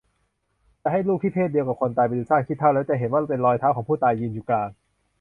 จะให้ลูกที่เพศเดียวกับคนตายไปดูซากขี้เถ้า แล้วจะเห็นว่าเป็นรอยเท้าของผู้ตายยืนอยู่กลาง